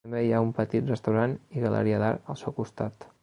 També hi ha un petit restaurant i galeria d'art al seu costat.